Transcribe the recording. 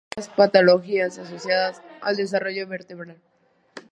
Existen varias patologías asociadas al desarrollo vertebral.